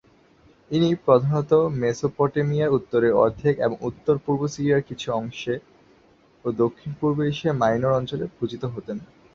ইনি প্রধানত মেসোপটেমিয়ার উত্তরের অর্ধেক এবং উত্তর-পূর্ব সিরিয়ার কিছু অংশ ও দক্ষিণ পূর্ব এশিয়া মাইনর অঞ্চলে পূজিত হতেন।